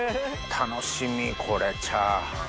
楽しみこれチャーハン。